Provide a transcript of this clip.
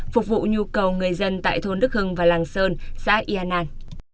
phục vụ nhu cầu người dân tại thôn đức hưng và làng sơn xã yên an